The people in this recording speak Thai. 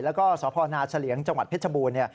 แล้วก็สพนาเฉลียงจังหวัดเพชรบูรณ์